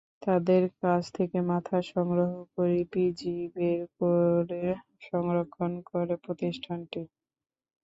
তাদের কাছ থেকে মাথা সংগ্রহ করে পিজি বের করে সংরক্ষণ করে প্রতিষ্ঠানটি।